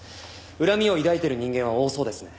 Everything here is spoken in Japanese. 恨みを抱いている人間は多そうですね。